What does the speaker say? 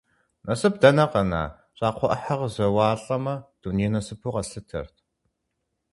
Насып дэнэ къэна, щӏакхъуэ ӏыхьэ къызэуалӏэмэ, дуней насыпу къэслъытэрт.